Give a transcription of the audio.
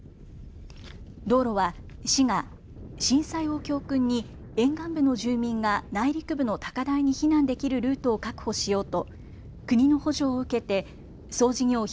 道路は市が震災を教訓に沿岸部の住民が内陸部の高台に避難できるルートを確保しようと国の補助を受けて総事業費